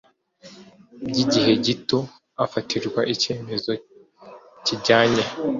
by igihe gito afatirwa icyemezo kijyanye